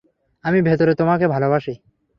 আমি ভেতরের তোমাকে ভালোবাসি।